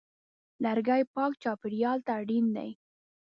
لرګی پاک چاپېریال ته اړین دی.